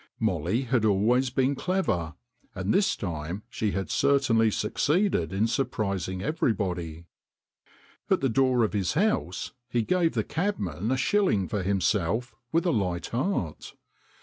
Molly had always been clever, and this time she had certainly succeeded in surprising everybody. At the door of his house he gave the cabman a shilling for himself with a light heart.